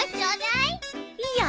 いいよ。